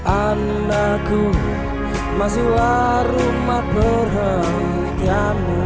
anakku masihlah rumah perhentianmu